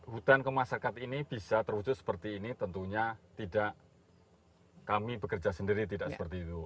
hutan kemasyarakat ini bisa terwujud seperti ini tentunya tidak kami bekerja sendiri tidak seperti itu